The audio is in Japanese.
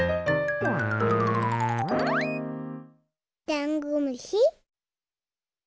ダンゴムシ！